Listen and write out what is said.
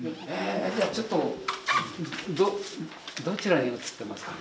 じゃあちょっとどちらに写ってますか？